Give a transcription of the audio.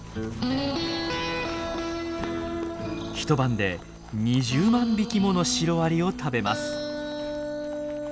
一晩で２０万匹ものシロアリを食べます。